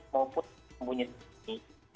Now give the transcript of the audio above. maupun yang punya diri